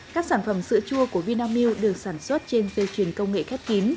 các sản phẩm sữa chua của vinamilk được sản xuất trên dây chuyền công nghệ khép kín